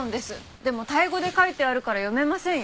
でもタイ語で書いてあるから読めませんよ。